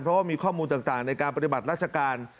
เพราะว่ามีข้อมูลต่างในการปฏิบัติราชการ